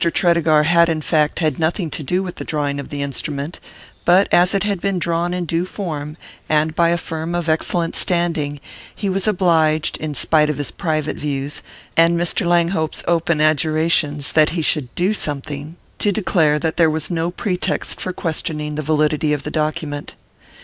Tredegar had in fact had nothing to do with the drawing of the instrument; but as it had been drawn in due form, and by a firm of excellent standing, he was obliged, in spite of his private views, and Mr. Langhope's open adjurations that he should "do something," to declare that there was no pretext for questioning the validity of the document.